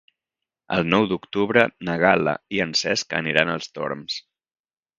El nou d'octubre na Gal·la i en Cesc aniran als Torms.